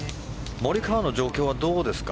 モリカワの状況はどうですか。